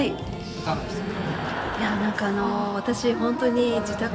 いかがでしたか？